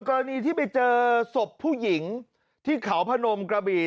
กรณีที่ไปเจอศพผู้หญิงที่เขาพนมกระบี่